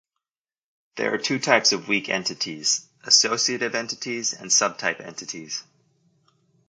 There are two types of weak entities: associative entities and subtype entities.